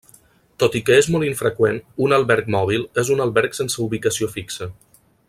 Tot i que és molt infreqüent, un alberg mòbil és un alberg sense ubicació fixa.